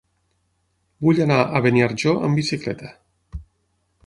Vull anar a Beniarjó amb bicicleta.